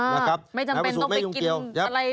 ไม่จำเป็นต้องไปกินอะไรเท่านั้น